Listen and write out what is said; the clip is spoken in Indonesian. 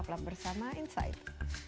tetaplah bersama insight